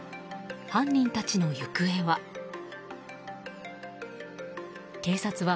犯人たちの行方は。